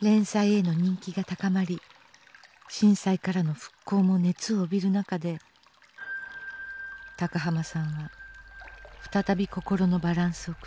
連載への人気が高まり震災からの復興も熱を帯びる中で高浜さんは再び心のバランスを崩します。